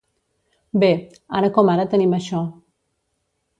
Bé, ara com ara tenim això.